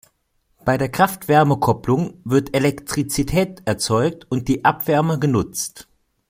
Bei der Kraft-Wärme-Kopplung wird Elektrizität erzeugt und die Abwärme genutzt.